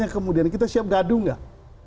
kemudian kita siap gaduh gak